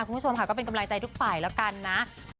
คุณผู้ชมค่ะก็เป็นกำลังใจทุกฝ่ายแล้วกันนะ